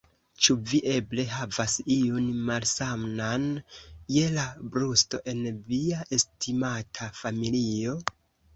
Ĉu vi eble havas iun malsanan je la brusto en via estimata familio?